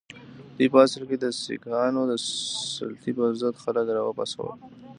دوی په اصل کې د سیکهانو د سلطې پر ضد خلک را وپاڅول.